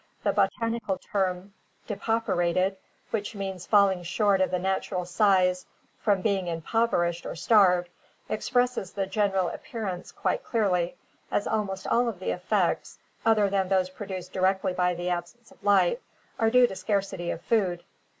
The botanical term "depauper ated," which means falling short of the natural size from being impoverished or starved, expresses the general appearance quite clearly, as almost all of the effects, other than those produced directly by the absence of light, are due to scarcity of food.